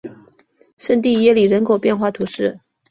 圣蒂耶里人口变化图示